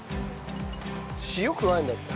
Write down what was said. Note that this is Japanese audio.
塩加えるんだっけ？